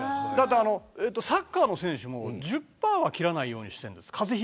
サッカーの選手も１０％は切らないようにしている。